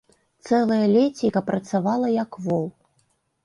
Цэлае лецейка працавала як вол.